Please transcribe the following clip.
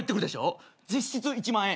実質１万円。